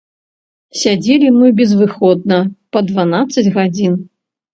Сядзелі мы безвыходна па дванаццаць гадзін.